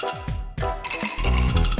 terima kasih bang